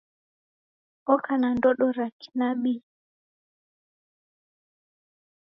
Oka na ndodo ra kinabii.